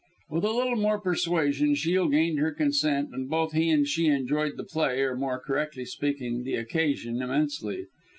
With a little more persuasion Shiel gained her consent; and both he and she enjoyed the play, or more correctly speaking, the occasion, immensely.